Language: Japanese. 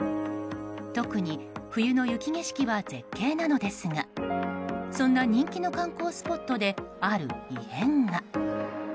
特に冬の雪景色は絶景なのですがそんな人気の観光スポットである異変が。